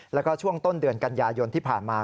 แล้วก็ช่วงต้นเดือนกันยายนที่ผ่านมา